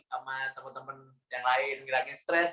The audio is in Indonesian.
sama temen temen yang lain ngerangin stres